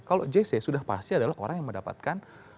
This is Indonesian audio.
kalau jc sudah pasti adalah orang yang mendapatkan